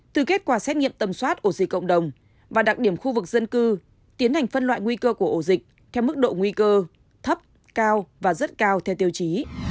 từ kết quả xét nghiệm tầm soát ổ dịch cộng đồng và đặc điểm khu vực dân cư tiến hành phân loại nguy cơ của ổ dịch theo mức độ nguy cơ thấp cao và rất cao theo tiêu chí